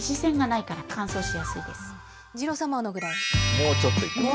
もうちょっといってます。